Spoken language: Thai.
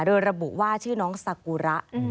ด้วยระบุว่าชื่อน้องสักูระ